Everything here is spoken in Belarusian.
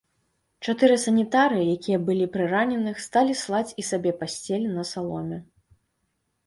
Чатыры санітары, якія былі пры раненых, сталі слаць і сабе пасцелі на саломе.